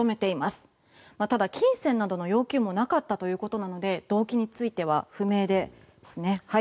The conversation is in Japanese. ただ金銭などの要求もなかったということなので動機については不明ですね。